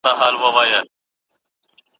ماله جات به دي کوربه سي د باروتو د اورونو